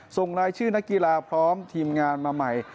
ส่งรายชื่อนักกีฬาพร้อมทีมงานมาใหม่